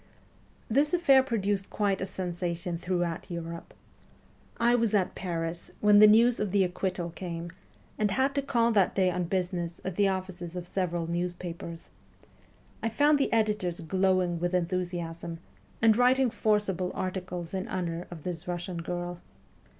This affair produced quite a sensation throughout Europe. I was at Paris when the news of the acquittal came, and had to call that day on business at the offices of several newspapers. I found the editors glowing with enthusiasm, and writing forcible articles in honour of this Russian girl.